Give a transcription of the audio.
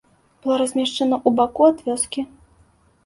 Была размешчана ў баку ад вёскі.